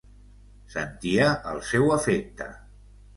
Sentia el seu afecte.